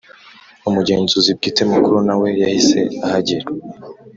Umugenzuzi Bwite Mukuru nawe yahise ahagera